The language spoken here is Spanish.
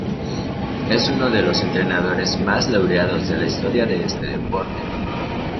Es uno de los entrenadores más laureados de la historia de este deporte.